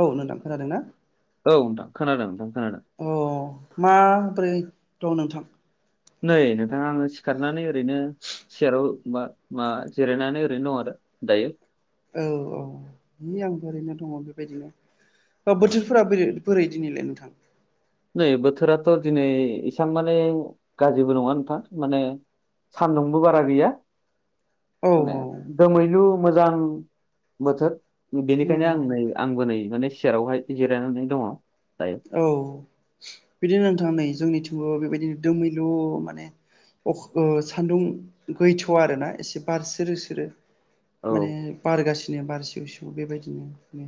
औ नोंथां खोनादों ना? औ नोंथां खोनादों नोंथां खोनादों। अ माबोरै दं नोंथां? नै नोंथाङा आङो सिखारनानै ओरैनो सियाराव मा जिरायनानै ओरैनो दं आरो दायो। औ औ नै आंबो ओरैनो दङ बेबायदिनो औ। बोथोर फोरा बोरै बोरै दिनैलाय नोंथां? नै बोथोराथ' दिनै एसबां माने गाज्रिबो नङा नोंथां माने सान्दुंबो बारा गैया। औ औ माने दोमैलु मोजां बोथोर। बेनिखायनो आं नंगौ नै आंबो नै माने सियेरावहाय जिरायनानै दङ दायो। औ बिदिनो नोंथां नै जोंनिथिंबो बेबायदिनो दोमैलु माने अख सान्दुं गैथ' आरोना एसे बार स्रो स्रो। औ माने बारगासिनो बार सिउ सिउ। बेबायदिनो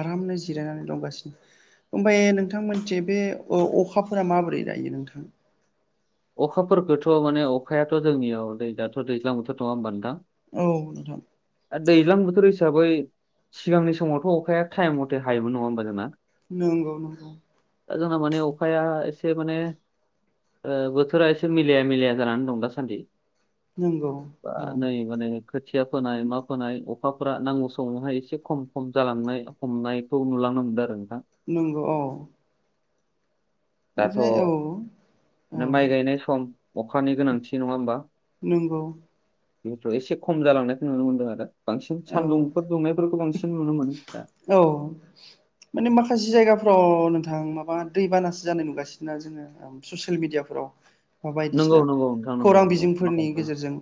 आरामनो जिरायनानै दंगासिनो ओमफ्राय नों - नोंथां मोनसे बे अखाफोरा माबोरै जायो नोंथां। अखाफोरखौथ' माने अखायाथ' जोंनियाव दै दाथ' दैज्लां बोथोर नङा होमबानो नोंथा औ नोंथां। दैज्लां बोथोर हिसाबै। सिगांनि समावथ' अखाया टाइम मथे हायोमोन नङा होमबा जोंना। नंगौ। जोंना माने अखाया एसे माने ओ बोथ बोथोरा एसे मिलाया मिलाया जानानै दं दासान्दि नंगौ दा औ बा नै माने खोथिया फोनाय मा फोनाय अखाफोरा नांगौ समावहाय एसे खम खम जालांनाय। हमनायखौनो नुलानो हमदों आरो नोंथां। नंगौ औ। दाथ' ओमफ्राय औ। औ माने माइ गायनाय सम अखानि गोनांथि नङा होमबा। नंगौ एसे खम जालांनायखौ नुनो मोनदों आरो बांसिन औ सानदुंफोर दुंनायफोरखौ बांसिन नुनो मोनो दा। औ माने माखासे जायगाफ्राव नोंथां माबा दैबानासो जानाय नुगासिनो ना जोङो। ससियेल मिडियाफोराव। बा नंगौ बायदिसिना नंगौ नोंथां नंगौ खौरां नंगौ बिजोंफोरनि माखासे गेजेरजों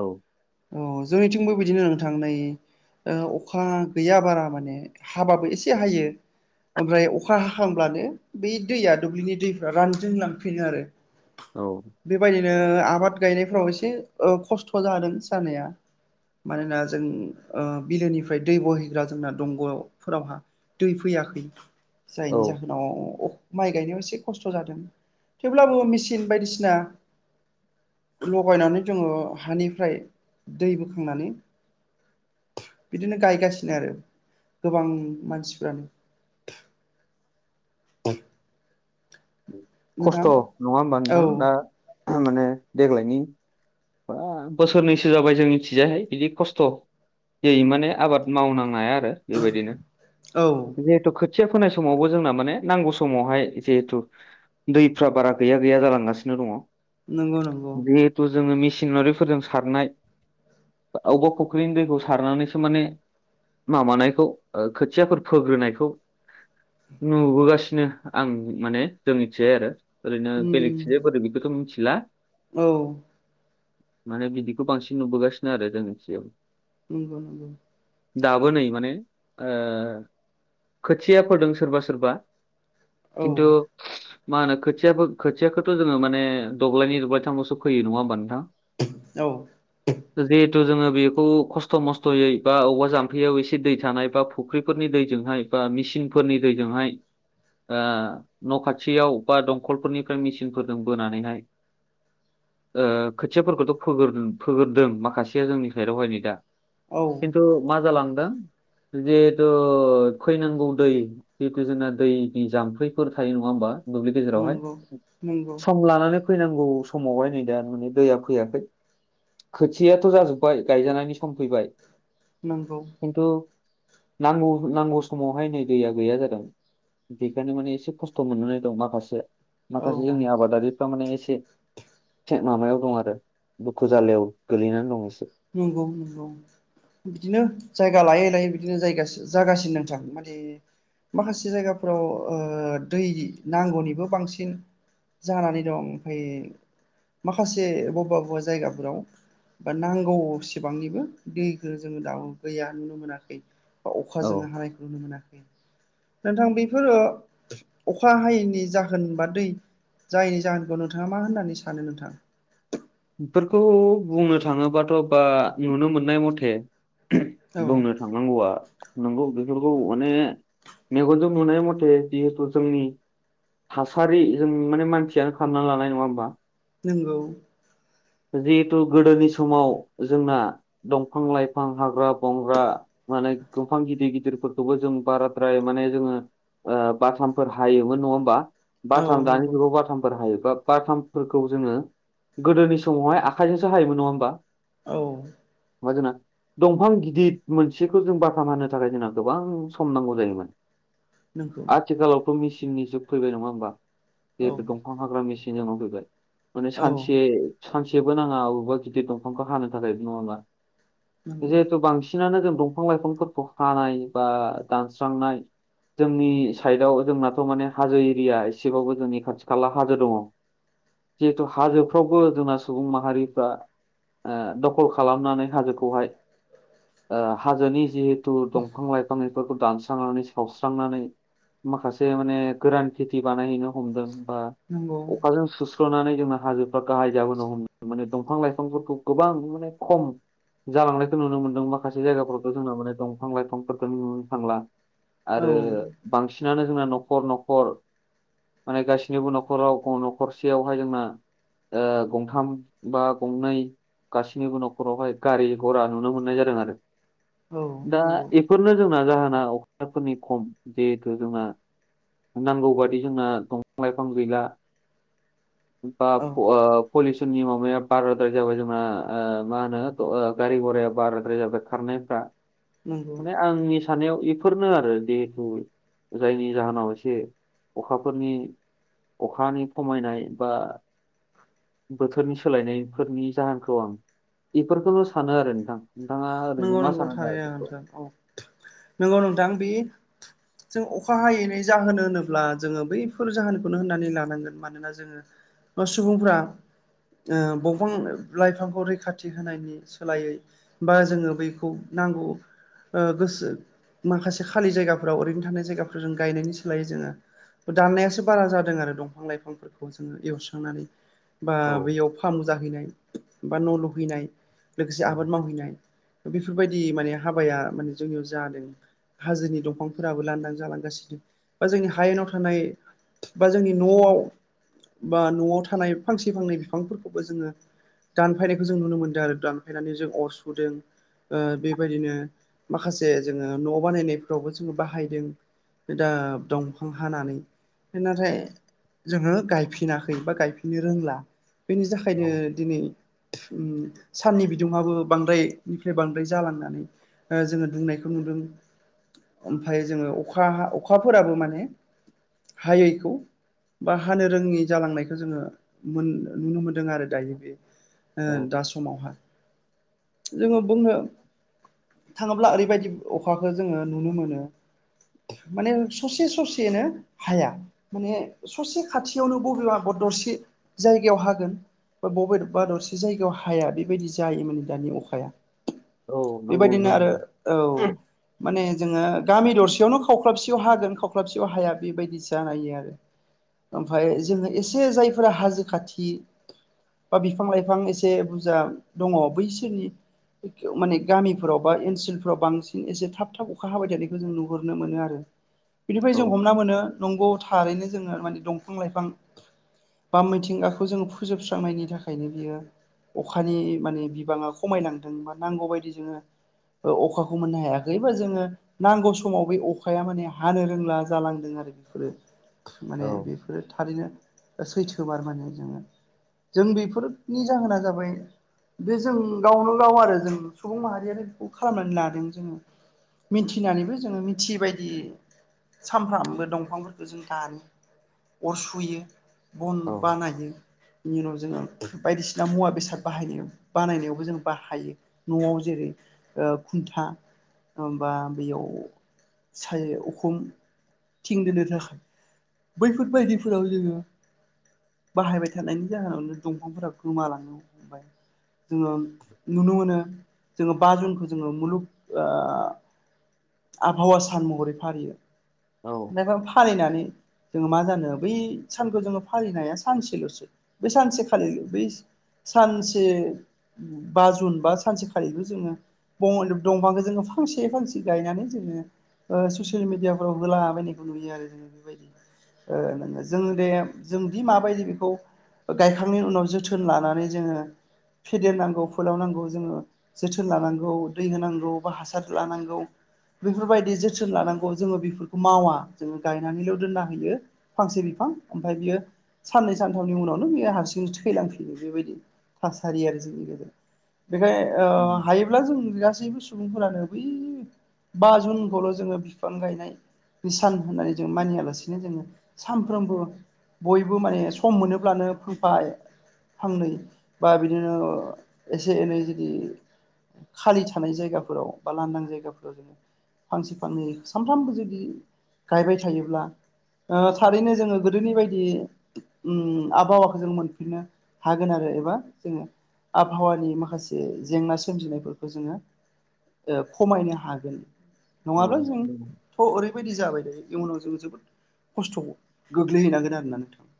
औ अ जोंनिथिंबो बिदिनो। थां ओ अखा गैया बारा माने हाबाबो एसे हायो। ओमफ्राय अखा हाखांब्लानो बै दैया दुब्लिनि दैफ्रा रानजों लांफिनो आरो औ। बेबायदिनो आबाद गायनायफ्राव एसे खस्थ' जादों जानाया मानोना जों बिलोनिफ्राय दै बोहैग्रा जोंना दंग'फोरावहा दै फैयाखै, औ जायनि जाहोन उनाव माइ गायनायाव एसे खस्थ' जादों, थेवब्लाबो मेसिन बायदिसिना लगायनानै जोङो हानिफ्राय दै बोखांनानै बिदिनो गायगासिनो आरो गोबां मानसिफ्रानो [unintelligible] नोंथां खस्थ' नङा होमबा औ नोंथां? दा माने देग्लायनि बा बोसोरनैसो जाबाय जों मिथिजायाहाय बिदि खस्थ' ज माने आबाद मावनां हाया आरो औ बेबायदिनो खोथिया फोनाय समावबो जोंना माने नांगौ समावहाय जिहेतु दैफ्रा बारा गैया गैया जालांगासिनो दङ। नंगौ नंगौ। ' जोङो मेसिनारिफोरजों सारनाय अबेबा फख्रिनि दैखौ सारनानैसो माने माबानायखौ खोथियाफोर फोग्रोनायखौ नुबोगासिनो आं माने जोंनि मिथि आरो ओरैनो उम बेलेगसो बोरै बेखौथ' मिथिला। औ। माने बिदिखौ बांसिन नुबोगासिनो आरो जोंनि सियाव [unintelligible] दाबोनै माने, ओ‌ खोथिया फोदों सोरबा सोरबा औ खिन्थु मा होनो खोथियाो खोथियाखौथ' जोंङो माने दब्लायनि दब्लायथामल'सो फैयो, नंङा होमबा नोंथां? [unintelligible] औ [unintelligible] जिहेथु जोङो बेखौ खस्थ' मस्थ'यै बा बबेबा जाम्फैयाव एसे दै थानाय बा फुख्रिफोरनि दैजोंहाय बा मिसिनफोरनि दैजोंहाय न' खाथियाव बा दंखलफोरनिफ्राय मेसिनफोरजों बोनानैहाय खोथियाफोरखौथ' फोर फोगोरदों माखासेया जोंनिख रावहाय न दा। औ। खिन्थु मा जालांदों? जिहेथु खैनांगौ दै जितु जोंना दैनि जाम्फैफोर थायो नङा होमबा? दुब्लि गेजेरावहाय नंगौ नंगौ सम लानानै फैनांगौ समावहाय नै दा माने दैया फैयाखै। खोथियाथ' जाजोबबाय गायजानायनि सम फैबाय। नंगौ। खिन्थु नांगौ नांगौ समावहाय नै दैया गैया जादों। बेखायनो माने एसे खस्थ' मोननानै दं माखासे औ माखासे औ जोंनि आबादारि बिफां माने एसे थेक माबायाव दं आरो दुखु जालायाव गोलैनानै दंसो नंगौ नंगौ। बिदिनो जायगा लायै लायै बिदिनो जायगा जागासिनो नोंथां माने माखासे जायगाफोराव दै नांगौनिबो बांसिन जानानै दं ओमफ्राय माखासे बबा बबेबा जायगाफोराव बा नांगौ गौसेबांनिबो दैखौ जोंङो दाउ गैया नुनो मोनाखै। बा अख औ जोङो हानायखौ नुनो मोनाखै नोंथां बेफोरो अखा हायैनि जाहोन बा दै जायैनि जाहोनखौ नोंथाङा मा होननानै सानो नोंथां? बेफोरखौ बुंनो थाङोबाथ' बा नुनो मोननाय मथे। औ बुंनो थांनांगौआ नंगौ बेफोरखौ माने मेगनजों नुनाय मथे जिहेतु जोंनि थासारि जों माने मानसियानो खालामना लानाय नङा होमबा? नोंगौ। जिहेथु गोदोनि समाव जोंना दंफां लाइफां हाग्रा बंग्रा माने दंफां गिदिर गिदिरफोर खौबो जों बाराद्राय माने जोङो ओ बाथामफोर हायोमोन नङा होमबा? औ बाथाम दानि नंगौ जुगाव बाथामफोर हायो बा बाथामफोरखौ जोंङो गोदोनि समावहाय आखाइजोंसो हायोमोन नङा होमबा? औ [unintelligible] दंफां गिदिद मोनसेखौ जों बाथाम हानो थाखाय जोंना गोबां सम नांगौ जायोमोन। नंगौ आथिखालावथ' मेचिननि जुग फैबाय नङा होमबा औ बे दं फां हाग्रा मेसिन जोंनाव फैबाय माने औ सानसे सानसेबो नाङा अबेबा गिदिर दंफांखौ हानो थाखाय नङा होमबा नंगौ जिहेथु बांसि सिनानो जों दंफां लाइफांफोरखौ हानाय बा दानस्रांनाय जोंनि साइदआव जोंनाथ' माने हाजो एरिया एसेबाबो जोंनि खाथि खाला हाजो दङ। जिहेतु हाजोफ्रावबो जोंना सुबुं माहारिफ्रा ओ दखल खालामनानै हाजोखौहाय ओ हाजोनि जिहेथु दंफां लाइफां बेफोरखौ दानस्रांनानै सावस्रांनानै माखासे माने गोरान खेथि बानायहैनो हमदों बा नंगौ अखाजों सुस्र'नानै जोंना हाजोफ्रा गाहाय जाबोनो हम माने दंफां लाइफांफोरखौ गोबां माने खम जालांनायखौ नुनो मोनदों माखासे जायगाफोरावथ' जोंना माने दंफां लाइफांफोरखौ नुनोनो थांला। औ आरो बांसिनानो जोंना न'खर न'खर माने गासिनिबो न'खराव गं न'खरसेयावहाय जोंना ओ गं थाम बा गंनै गासैनिबो न'खरावहाय गारि घरा नुनो मोननाय जादों आरो। औ दा नंगौ इफोरनो जोंना जाहोना अखाफोरनि खम जिहेथु जोंना नांगौ बादि जोंना दंफां लाइफां गैला बा औ फ ओ पलिउसननि माबाया बाराद्राय जाबाय जोंना ओ मा होनो गारि घराया बाराद्राय जाबाय खारनायफ्रा। नंगौ माने आंनि साननायाव इफोरनो आरो जिहेथु जायनि जाहोनाव एसे अखाफोरनि अखानि खमायनाय बा बोथोरनि सोलायनायफोरनि जाहोनखौ आं इफोरखौनो सानो आरो नोंथां। नोंथाङा नंगौ ओरैनो मा नंगौ सानो दा थारैनो इफोरखौ? नोंथां औ नंगौ नोंथां बे जों अखा हायैैनि जाहोन होनोब्ला जोङो बैफोर जाहोनखौनो होननानै लानांगोन मानोना जोङो बा सुबुंफोरा ओ बंफां लाइफांखौ रैखाथि होनायनि सोलायै बा जोङो बैखौ नांगौ ओ गोसो माखासे खालि जायगाफोराव ओरैनो थानाय जायगाफोरजों गायनायनि सोलायै जोङो दाननायासो बारा जादों आरो दंफां लाइफांफोरखौ जोङो एवस्रांनानै। बा औ बैयाव फामु जाहैनाय बा न' लुहैनाय लोगोसे औ आबाद मावहैनाय। बेफोरबायदि माने हाबाया माने जोंनियाव जादों। हाजोनि दंफांफोराबो लान्दां जालांगासिनो बा जोंनि हायेनाव थानाय बा जोंनि न'आव बा न'आव थानाय फांसे फांनै बिफांफोरखौबो जोङो दानफायनायखौ जों नुनो मोनदों आरो दानफायनानै जों अर सुदों ओ बेबायदिनो माखासे जोङो न' बानायनायफोरावबो जोङो बाहायदों। दा दंफां हानानै नाथाय जोङो गायफिनाखै बा गायफिननो रोंला। बेनि थाखायनो औ दिनै साननि बिदुंआबो बांद्रायनिफ्राय बांद्राय जालांनानै ओ जोङो दुंनायखौ नुदों। ओमफ्राय जोङो अखा हा अखाफोराबो माने हायैखौ बा हानो रोङि जालांनायखौ जोङो मोन नुनो मोनदों आरो दायो बे ओ औ दा समावहाय। जोंङो बुंनो थांङोब्ला ओरैबायदि अखाखौ जोंङो नुनो मोनो माने ससे ससेयैनो हाया। माने ससे खाथियावनो बबेब आगर दरसे जायगायाव हागोन बा बबे बा दरसे जायगायाव हाया बेबायदि जायोमोन दानि अखाया औ नंगौ बेबायदिनो आरो नोंथां औ माने जोङो गामि दरसेयावनो खावख्लाबसेयाव हागोन खावख्लाबसेयाव हाया बेबायदि जानायो आरो। ओमफफ्राय जोङो एसे जायफोरा हाजो खाथि बा बिफां लाइफां एसे बुरजा दङ बैसोरनि माने गामिफोराव बा ओनसोलफोराव बांसिन एसे थाब थाब अखा हाबाय थानायखौ जों नुहुरनो मोनो आरो। बिनिफ्राय औ जों हमना मोनो नंगौ थारैनो जोङो माने दंफां लाइफां बा मिथिंगाखौ जोङो फोजोबस्रांनायनि थाखायनो बियो अखानि माने बिबाङा खमायनांदों बा नांगौबायायदि जोङो ओ अखाखौ मोननो हायाखै बा जोङो नांगौ समाव बै अखाया माने हानो रोंला जालांदों आरो बेफोरो औ माने बे बेफोरो थारैनो सैथो मार माने जोङो जों बेफोरनि जाहोना जाबाय बे जों गावनो गाव आरो जों सुबुं माहारियानो बेखौ खालामनानै लादों जोङो। मिथिनानैबो जोङो मिथियै बायदि सामफ्रामबो दंफांफोरखौ जों दानो अर सुयो। बन औ बानायो बिनि उनाव जोङो बायदिसिना मुवा बेसाद बाहायो बानायनायावबो जों बाहायो न'आव जेरै ओ खुन्था बा बेयाव सायो उखुम थिं दोननो थाखाय बैफोरबायदिफोराव जोङो बाहायबाय थानायनि जाहोनावनो दंफांफोरा गोमालांनो हमबाय जोङो नुनो मोनो जोङो बा जुनखौ जोङो मुलुग ओ आबहावा सान महरै फालियो। औ ओमफ्रायबा फालिनानै जोङो मा जानो बै सानखौ जोङो फालिनाया सानसेल'सो बे सानसे खालि बै सानसे बा जुन बा सानसेखालिबो जोङो दं-दंफांखौ जोङो फांसे फांसे गायनानै जोङो ओ ससियेल मिडियाफ्राव होलाबायनायखौ नुयो आरो जोङो बेबायदि। ओ जों दे जोंदि माबायदि बेखौ गायखांनायनि उनाव जोथोन लानानै जोङो फेदेरनांगौ फोलाव नांगौ जोङो जोथोन लानांगौ दै होनांगौ बा हासार लानांगौ बेफोरबायदि जोथोन लानांगौ जोङो बेफोरखौ मावा जोङो गायनानैल' दोनना होयो। फांसे बिफां ओमफाय बियो साननै सानथामनि उनावनो बेयो हारसिं थैलांफिनो बेबायदि थासारि आरो जोंनि गेजेराव। बेखायनो ओ हायोब्ला जों गासैबो सुबुंफोरानो बै बा जुनखौल' जोङो बिफां गायनाय बिसान होनाय जों मानियालासिनो जोङो सानफ्रोमबो बयबो माने सम मोनोब्लानो फांफा फांनै बा बिदिनो एसे एनै जुदि खालि थानाय जायगाफोराव बा लांदां जायगाफोराव जोङो फांसे फांनै सानफ्रामबो जुदि गायबाय थायोब्ला ओ थारैनो जोङो गोदोनि बायदि ओम आबहावाखौ जों मोनफिननो हागोन आरो एबा जोङो आबहावानि माखासे जेंना सोमजिनायफोरखौ जोङो ओ खमायनो हागोन नङाब्ला जों थ' ओरैबायदि जाबाय दायो इयुनाव जों जोबोद खस्थ' गोग्लैहैनांगोन आरोना नोंथां।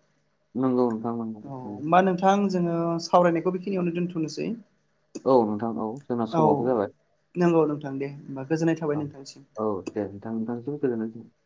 नंगौ नोंथां नंगौ अ नंगौ। ओमा नोंथां जोङो सावरायनायखौ बेखिनियावनो दोनथ'नोसै। औ नोंथां औ जोंना औ समाबो जाबाय नोंगौ नोंथां दे होमबा गोजोननाय थाबाय नोंथांसिम। दो नोंथां नोंथांनिसिम गोजोननाय [unintelligible]